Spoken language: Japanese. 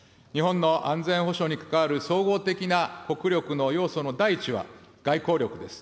日本の安全保障に関わる総合的な国力の要素の第一は、外交力です。